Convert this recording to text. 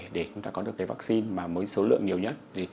để chúng ta có được cái vaccine mà mới số lượng nhiều nhất